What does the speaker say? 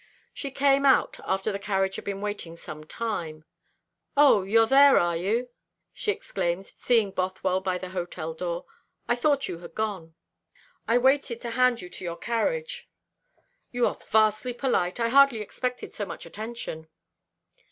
She came out after the carriage had been waiting some time. "O, you are there, are you?" she exclaimed, seeing Bothwell by the hotel door. "I thought you had gone." "I waited to hand you to your carriage." "You are vastly polite. I hardly expected so much attention."